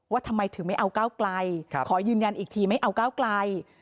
ทำไมถึงไม่เอาก้าวไกลขอยืนยันอีกทีไม่เอาก้าวไกล